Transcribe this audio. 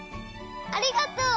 ありがとう！